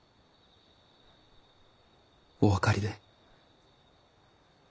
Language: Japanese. お分かりで。